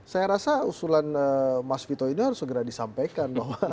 saya rasa usulan mas vito ini harus segera disampaikan bahwa